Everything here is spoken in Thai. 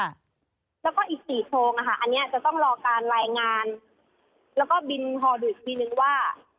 แล้วก็อีก๔โพรงอะค่ะอันนี้จะต้องรอการรายงานแล้วก็บินฮอดูอีกทีนึงว่า